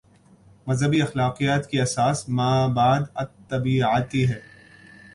مذہبی اخلاقیات کی اساس مابعد الطبیعیاتی ہے۔